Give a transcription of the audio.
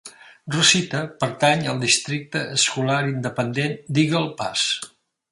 Rosita pertany al districte escolar independent d'Eagle Pass.